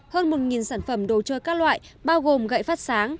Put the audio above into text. hơn một sản phẩm đồ chơi các loại bao gồm gậy phát sáng